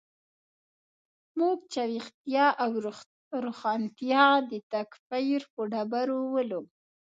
موږ چې ویښتیا او روښانتیا د تکفیر په ډبرو ولو.